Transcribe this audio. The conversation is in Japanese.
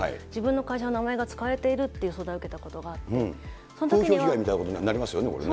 自分の会社の名前が使われているという相談を受けたことがあって、風評被害みたいなことにになりますよね、これ。